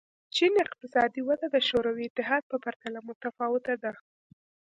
چین اقتصادي وده د شوروي اتحاد په پرتله متفاوته ده.